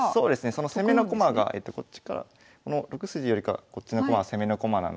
その攻めの駒がこの６筋よりかこっちの駒は攻めの駒なので。